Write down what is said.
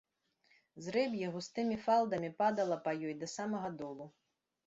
Зрэб'е густымі фалдамі падала па ёй да самага долу.